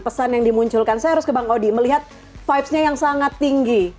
pesan yang dimunculkan saya harus ke bang odi melihat vibesnya yang sangat tinggi